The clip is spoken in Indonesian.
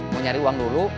mau nyari uang dulu